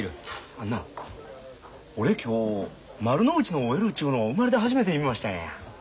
あんな俺今日丸の内のＯＬちゅうのを生まれて初めて見ましたんや。